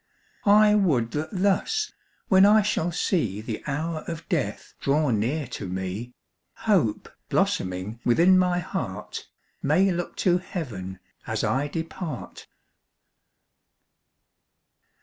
I would that thus, when I shall see The hour of death draw near to me, Hope, blossoming within my heart, May look to heaven as I depart.